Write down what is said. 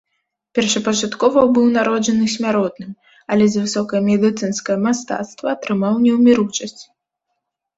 Першапачаткова быў народжаны смяротным, але за высокае медыцынскае мастацтва атрымаў неўміручасць.